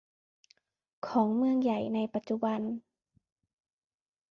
ของเมืองใหญ่ในปัจจุบัน